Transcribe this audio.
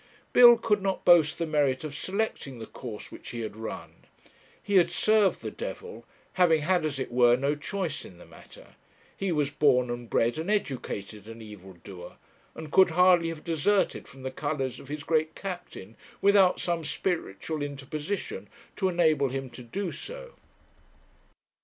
Bill could not boast the merit of selecting the course which he had run; he had served the Devil, having had, as it were, no choice in the matter; he was born and bred and educated an evil doer, and could hardly have deserted from the colours of his great Captain, without some spiritual interposition to enable him to do so.